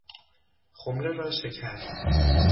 خمره را شکست